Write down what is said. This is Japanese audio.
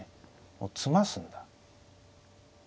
もう詰ますんだ。